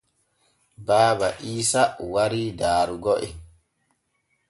Baaba Iisa warii daarugo en.